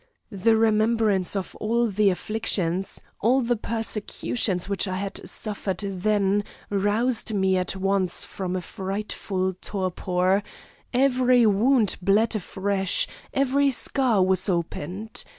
The remembrance of all the afflictions, all the persecutions which I had suffered then roused me at once from a frightful torpor; every wound bled afresh, every scar was opened.